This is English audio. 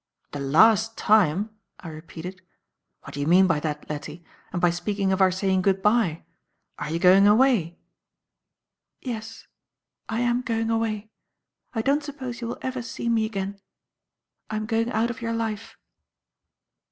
"The last time!" I repeated. "What do you mean by that, Lettie, and by speaking of our saying good bye? Are you going away?" "Yes, I am going away. I don't suppose you will ever see me again. I am going out of your life."